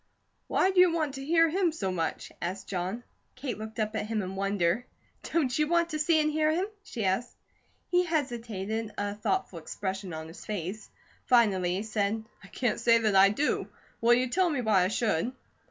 "Why do you want to hear him so much?" asked John. Kate looked up at him in wonder. "Don't you want to see and hear him?" she asked. He hesitated, a thoughtful expression on his face. Finally he said: "I can't say that I do. Will you tell me why I should?"